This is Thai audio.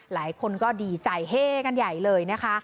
หลายคนก็ดีใจเฮกันใหญ่เลยนะคะ